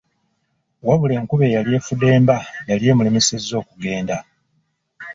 Wabula enkuba eyali efudemba yali emulemeseza okugenda.